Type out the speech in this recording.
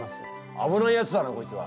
危ないやつだなこいつは。